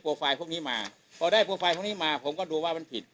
ไฟล์พวกนี้มาพอได้โปรไฟล์พวกนี้มาผมก็ดูว่ามันผิด